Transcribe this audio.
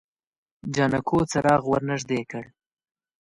جانکو څراغ ور نږدې کړ.